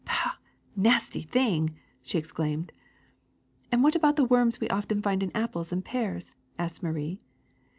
''*^ Pah ! The nasty thing !'' she exclaimed. *^And what about the worms we often find in ap ples and pears ?'' asked Marie.